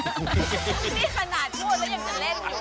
นี่ขนาดพูดแล้วยังจะเล่นอยู่